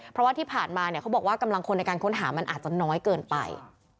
เพราะว่าที่ผ่านมาเขาบอกว่ากำลังคนในการค้นหามันอาจจะน้อยเกินไป